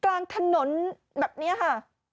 กลางถนนแบบนี้ค่ะ